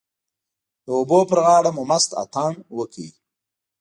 د اوبو پر غاړه مو مست اتڼ وکړ.